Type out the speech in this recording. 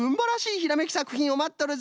ひらめきさくひんをまっとるぞ。